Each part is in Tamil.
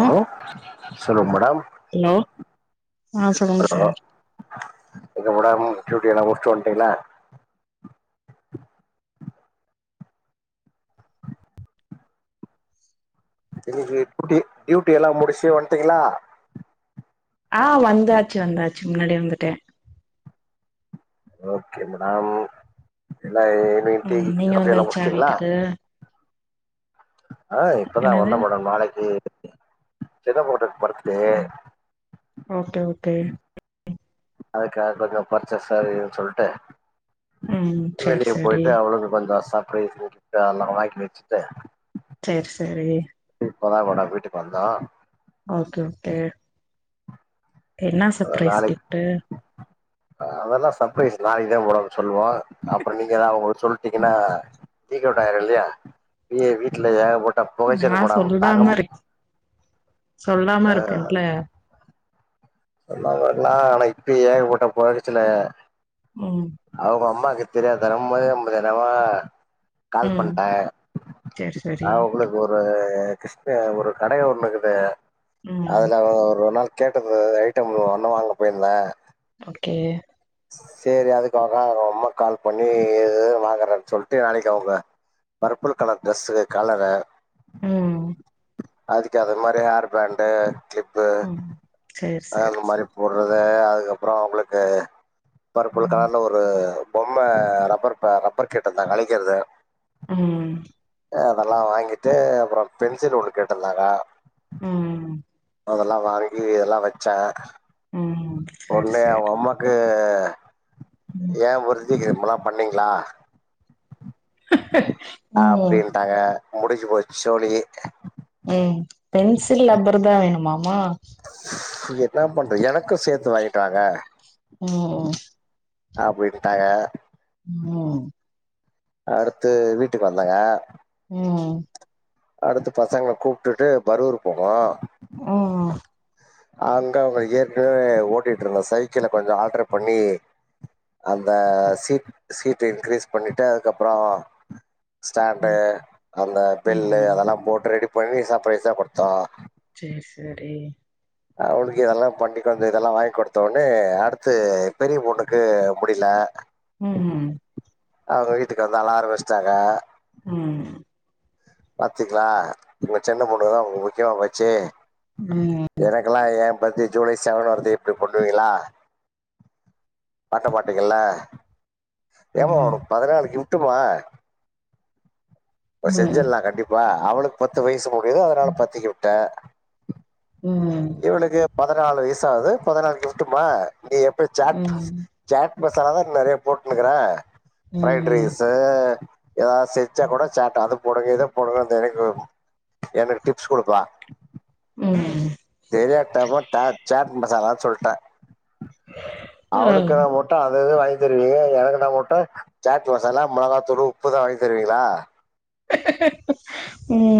ஹலோ சொல்லுங்க மேடம் ஹலோ ஆ சொல்லுங்க ஹ சார். என்ன மேடம் டூட்டி எல்லா முடிச்சுட்டு வந் ட்யலா இன்னைக்கு பியூட்டி டியூட்டி எல்லா முடிச்ட்டு வந்ட்டீகளா ஆஹ் வந்தாச்சு வந்தாச்சு முன்னாடியே வந்துட்ட ஓகே மேடம் [unintelligible] டீ ம் நீங்க காஃபி எல்லா வந்தாச்சா முடிச்ட்டீங்களா வீட்டுக்கு ஆஹ் இப்பதா என்னது வந்த மேடம் நாளைக்கு [unintelligible] படத் ம் ஓகே ஓகே அதுக்காக கொஞ்சொ பர்ச்சஸ் அது இதுன் சொல்ட்டு ம் சேரி வெளிய சேரி போயிட்டு அவளுக்கு [unintelligible] சர்ப்ரைஸ் கிப்ட் அதுல்லா வாங்கி வச்சிட்டு சர் சரி இப்பதா மேடம் வீட்டுக்கு வந்தோ ஓகே ஓகே என்ன சர்பரைஸ் நாளைக்கு கிப்ட்டு அதெல்லா சர்பரைஸ் நாளைக்கு தா போடணு சொல்லுவோ அப்புறோ நீங்க ஏதாது அவுங்களுக் சொல்லிட்டீங்கன்னா லீக் அவுட் ஆயிடோ இல்லையா இங்க வீட்ல ஏகப்பட்ட இந்த நா பொகச்சல் போடாம் சொல்லாம தாக்கணும் இருக் சொல்லாம இருக்கேன்ட்ல சொல்லாம இருக்கலா ஆனா இப்ப ஏக பட்ட போகச்சல ம் அவங்க அம்மா எனக் தெரியாதனம்மா [unintelligible] கால் ம் பண்ட்டே சேரி சேரி ஆ உங்களுக்கு ஒரு அ கிருஷ்ண ஒரு கடைய ஒண்ணுருக்குது ம் அதுல ஒரு நாள் கேட்டது ரைட் ஐட்டம் ஒன்ன வாங்க போயிருந்தே ஓகே சேரி அதுக்காக அவங்கம்மா கால் பண்ணி [unintelligible] வாங்குறேன் சொல்ட்டு நாளைக்கு அவங்க பர்பிள் கலர் ட்ரெஸுக கலர உம் அதுக்கு அது மாரி ஹேர் பேண்டு கிள்ப்பு ம் சேரி சேரி அந்த மாரி சேரி போடுறத அதுக்கப்புறோ அவங்களுக்கு பர்புல் ம் கலர்ல ஒரு பொம்ம ரப்பர் பே ரப்பர் கேட்டுருந்தா அழிக்கறது உம் அதெல்லா வாங்கிட்டு அப்புறோ பென் சில் ஒன்னு கேட்ருந்தாங்கா உம் அதெல்லா வாங்கி எல்லா வச்சே ம் சேரி ஒட்னே சேரி அவங்க அம்மாக்கு ம் ஆ ஏ ஒரு இது கேம் எல்லா பண்ணீங்களா ஓ அப்படின்ட்டாங்க முடிஞ்சு போச்சு சோலி உஹம் பென்சில் லப்பர் தா வேணுமா மா பண்ற எனக்கு சேத்து வாங்கிட்டு வாங்க உம் அப்டின்ட்டாங்க அடுத்து வீட்டுக்கு வந்தங்க உஹம் அடுத்து பசங்கள கூப்டுட்டு பரூர் போனோ ம் ம் அங்க அவுங்க ஏற்கனவே ஓட்டிட்டு இருந்தா சைக்கிள கொஞ்சோ ஆல்டர் பண்ணி அந்த சீட் சீட் இன்கிரீஸ் பண்ணிட்டு அதுக்கப்புறோ ஸ்டாண்டு அந்த பெல்லு ம் அதெல்லா போட்டு ரெடி பண்ணி சப்ரைஸ் சா குடுத்தோ சேரி சேரி அவனுக்கு இதெல்லா பண்ணி கொஞ்சோ இதெல்லா வாங்கி குடுத்தவெட்னே அடுத்து பெரிய பொண்ணுக்கு புடிக்ல உஹம் உம் அவுங்க வீட்டுக்கு வந்து அழ ஆரம்பிச்சுட்டாங்க உஹ் பாத்தீங்களா உங்க சின்ன பொண்ணுதா உங்க முக்கியமா போச்சு உஹம் எனக்கெல்லாம் என் பர்த்டே ஜூலை செவன் வருது இப்டி பண்ணுவீங்களா பண்ண மாட்டீங்கல்ல ம் ஏம்மா ம் உனக்கு பதினநாளு கிப் ட்டுமா ம் செஞ்சிடலா கண்டிப்பா அவளுக் பத்து வயசு எதோ அதனால பாத்திக்கி உட்டே ம் ம் இவளுக்கு பதினாலு வய சாது பதினாருக்கு இங்குட்டுமா நீ எப்டிய ம் சாட் ம் சாட் இப்ப சாதாரண நகைய போட்டுன்னுக்கிற ஃபிரைட் ம் ரைஸூ ஏதாது செஞ்சா கூட சாட்டு அது கூடவே தா போனா தா [unintelligible] எனக் டிப்ஸ் குடுப்பா ம் தெரியாதனமா டேட் சேட் மசாலான் சொல்ட்டே அவளுக்குனா முட்டா அதுவே வாங்கி தருவியே எனக்குன்னா முட்டு சாட் மசாலா மொளகாத்தூளு உப்புதா வாங்கி தருவீங்களா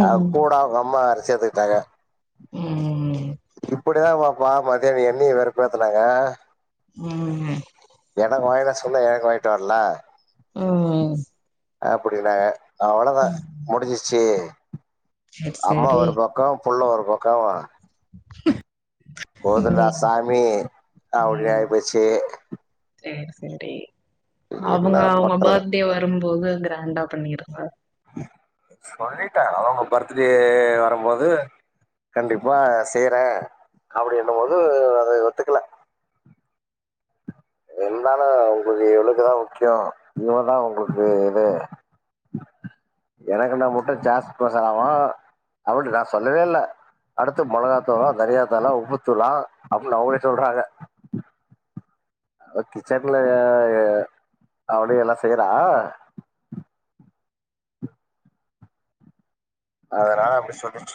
அவ கூட அவங்கம்மா வேற சேத்துக்கிட்டாங்க ம் [unintelligible] ப்ப மதியானோ என்னியு வெருப்பேத்துனாங்க ம் [unintelligible] ம் அப்புடினாக அவளதா முடிஞ்சிச்சு சேரி அம்மா சேரி ஒரு பக்கோம் புள்ள ஒருப்பக்காமா போதுன்டா ம் சாமி அப்டி ஆய் போச்சு இன்ட்டி அவுங்க அவுங்க பண்றது பர்த்டே வரும்போது கிராண்டா பண்ணிருங்க சொல்லிட்ட அவுங்க பர்த்துடே வரும்போது கண்டிப்பா செய்றே அப்புடின்னுமோது அதை ஒத்துக்குல என்னால உங்கு வீ இவுளுக்குதா முக்கியோ இவதா உங்ளுக்கு இது எனக்கு நா முட்டு சாஸ் மசாலாவா அவுன்ட்டு நா சொல்லவேல்ல அடுத்து மொளகாதூளா தனியாத்தாளா உப்புத்தூளா அப்புள் அவுங்ளே சொல்றாங்க அவ கிச்சன்லய யே அவுடி எல்லா செய்றா அதனால அப்டி சொல்லுச்சு